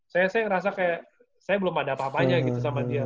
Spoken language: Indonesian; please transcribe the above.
saya sih rasa kayak saya belum ada apa apanya gitu sama dia